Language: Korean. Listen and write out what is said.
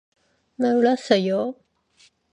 몰랐어요.